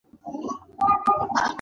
هوښیاران خپلې پرېکړې په خپله کوي.